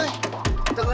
wah angin setting